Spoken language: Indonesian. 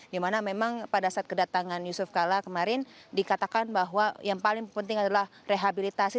dimana memang pada saat kedatangan yusuf kala kemarin dikatakan bahwa yang paling penting adalah rehabilitasi